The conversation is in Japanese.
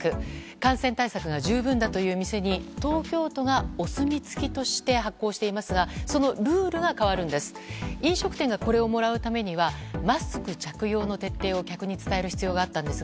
感染対策が十分だという店に東京都がお墨付きとして発行していますがそのルールが変わるんです。